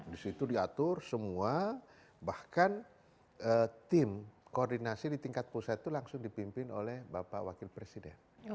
di situ diatur semua bahkan tim koordinasi di tingkat pusat itu langsung dipimpin oleh bapak wakil presiden